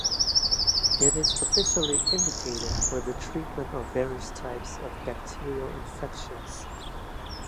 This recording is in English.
It is officially indicated for the treatment of various types of bacterial infections.